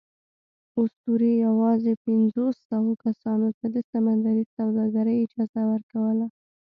اسطورې یواځې پینځوسوو کسانو ته د سمندري سوداګرۍ اجازه ورکوله.